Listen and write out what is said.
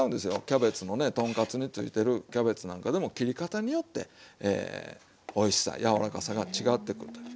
キャベツもね豚カツについてるキャベツなんかでも切り方によっておいしさ柔らかさが違ってくるという。